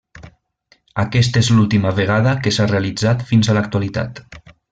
Aquesta és l'última vegada que s'ha realitzat fins a l'actualitat.